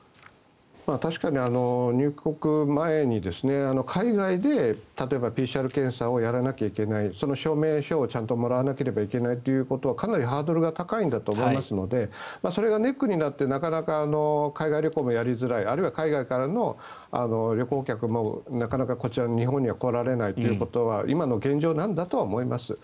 確かに入国前に海外で例えばＰＣＲ検査をやらなきゃいけないその証明書をちゃんともらわなきゃいけないということはかなりハードルが高いんだと思いますのでそれがネックになってなかなか海外旅行もやりづらいあるいは海外からの旅行客もなかなかこちら、日本には来られないということが今の現状なんだとは思います。